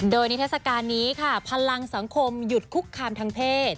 โดยนิทัศกาลนี้ค่ะพลังสังคมหยุดคุกคามทางเพศ